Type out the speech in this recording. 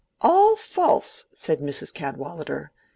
"All false!" said Mrs. Cadwallader.